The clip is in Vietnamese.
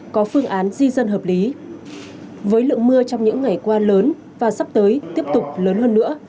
đồng ý với lượng mưa trong những ngày qua lớn và sắp tới tiếp tục lớn hơn nữa